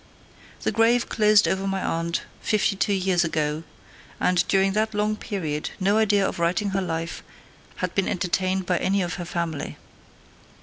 The grave closed over my aunt fifty two years ago; and during that long period no idea of writing her life had been entertained by any of her family.